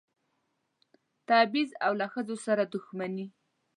تبعیض او له ښځو سره دښمني.